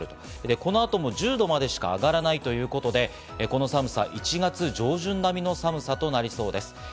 この後も１０度までしか上がらないということでこの寒さ、１月上旬並みの寒さとなりそうです。